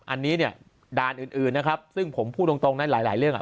อันนี้เนี่ยด่านอื่นนะครับซึ่งผมพูดตรงนะหลายหลายเรื่องอ่ะ